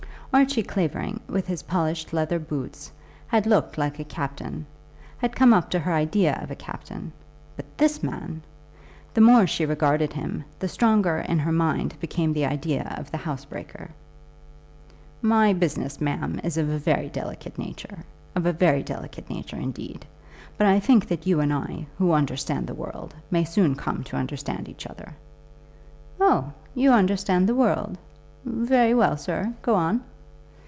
Archie Clavering, with his polished leather boots, had looked like a captain, had come up to her idea of a captain, but this man! The more she regarded him, the stronger in her mind became the idea of the housebreaker. "My business, ma'am, is of a very delicate nature, of a nature very delicate indeed. But I think that you and I, who understand the world, may soon come to understand each other." "Oh, you understand the world. Very well, sir. Go on."